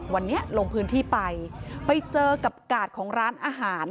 วันนี้ลงพื้นที่ไปไปเจอกับกาดของร้านอาหาร